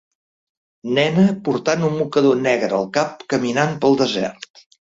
Nena portant un mocador negre al cap caminant pel desert